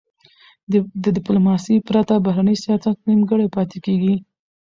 د ډیپلوماسی پرته، بهرنی سیاست نیمګړی پاته کېږي.